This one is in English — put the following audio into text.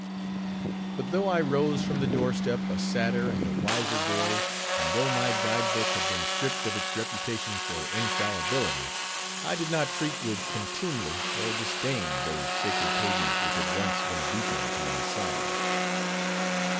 But though I rose from the door step a sadder and a wiser boy, and though my guide book had been stripped of its reputation for infallibility, I did not treat with contumely or disdain, those sacred pages which had once been a beacon to my sire.